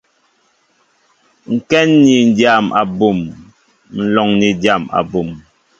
Ŋkɛn ni dyam abum, nlóŋ ni dyam abum.